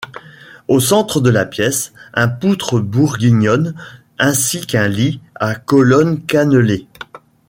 Au centre de la pièce, un poutre bourguignonne ainsi qu'un lit à colonne cannelée.